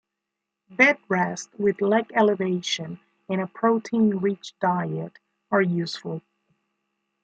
Bed rest with leg elevation and a protein-rich diet are useful.